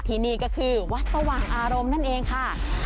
ที่นี่ก็คือวัดสว่างอารมณ์นั่นเองค่ะ